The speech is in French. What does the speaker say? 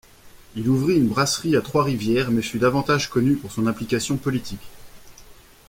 Il ouvrit une brasserie à Trois-Rivières mais fut davantage connu pour son implication politique.